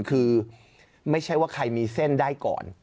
คือไม่ใช่ว่าใครมีเส้นได้ก่อน